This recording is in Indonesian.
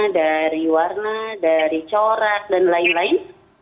dari warna dari corak dan lain lain